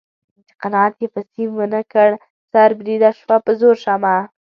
چې قناعت یې په سیم و نه کړ سر بریده شوه په زرو شمع